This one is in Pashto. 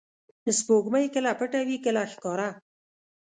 • سپوږمۍ کله پټه وي، کله ښکاره.